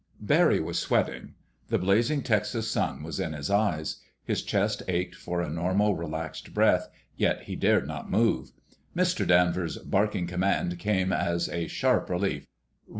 Barry was sweating. The blazing Texas sun was in his eyes. His chest ached for a normal, relaxed breath; yet he dared not move. Mister Danvers' barking command came as a sharp relief.